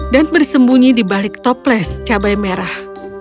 dan bersembunyi di balik toples cabai merah